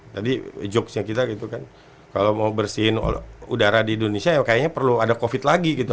tadi jokesnya kita gitu kan kalau mau bersihin udara di indonesia ya kayaknya perlu ada covid lagi gitu